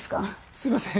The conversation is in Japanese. すいません